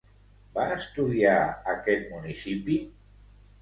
Va estudiar aquest municipi?